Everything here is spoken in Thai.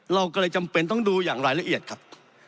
เราก็เลยจำเป็นต้องดูอย่างรายละเอียดครับ